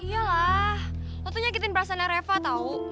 iya lah lo tuh nyakitin perasaan reva tau